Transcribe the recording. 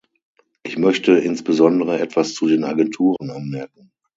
Ich möchte insbesondere etwas zu den Agenturen anmerken.